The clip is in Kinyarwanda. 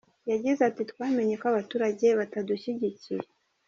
Yagize ati” Twamenye ko abaturage batadushyigikiye.